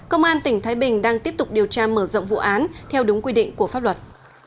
công an tỉnh thái bình đang tiếp tục điều tra mở rộng vụ án theo đúng quy định của pháp luật